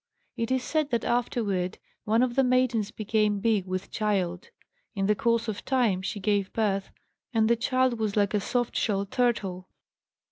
It is said that afterward one of the maidens became big with child. In the course of time, she gave birth, and the child was like a soft shell turtle."